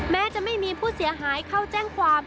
แม้จะไม่มีผู้เสียหายเข้าแจ้งความ